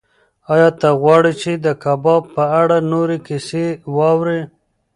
ایا ته غواړې چې د کباب په اړه نورې کیسې واورې؟